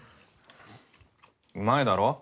うまいだろ？